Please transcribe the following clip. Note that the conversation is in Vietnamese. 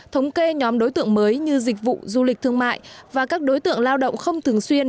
thống kê nhóm đối tượng mới như dịch vụ du lịch thương mại và các đối tượng lao động không thường xuyên